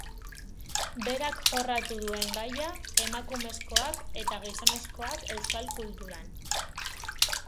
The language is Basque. Berak jorratu duen gaia, emakumezkoak eta gizonezkoak euskal kulturan.